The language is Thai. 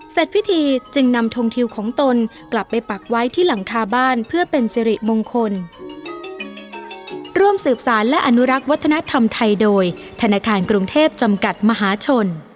เสร็จพิธีจึงนำทงทิวของตนกลับไปปักไว้ที่หลังคาบ้านเพื่อเป็นสิริมงคล